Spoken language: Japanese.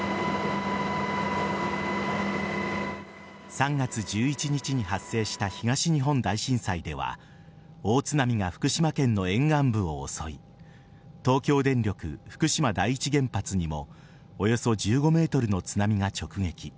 ３月１１日に発生した東日本大震災では大津波が福島県の沿岸部を襲い東京電力福島第一原発にもおよそ１５ｍの津波が直撃。